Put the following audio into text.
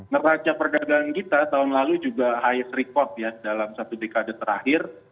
meraca pergadangan kita tahun lalu juga highest record ya dalam satu dekade terakhir